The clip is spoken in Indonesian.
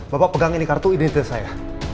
bapak pegang ini kartu identitas saya